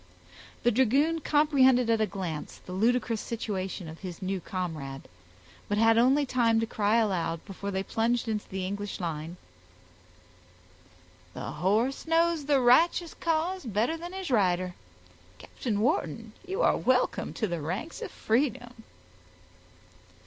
The dragoon comprehended at a glance the ludicrous situation of his new comrade, but had only time to cry aloud, before they plunged into the English line,— "The horse knows the righteous cause better than his rider. Captain Wharton, you are welcome to the ranks of freedom."